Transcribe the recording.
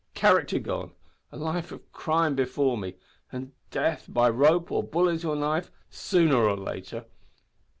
character gone! a life of crime before me! and death, by rope, or bullet or knife, sooner or later!